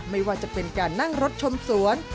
ไม่ว่าจะเป็นการนั่งรถชมสวน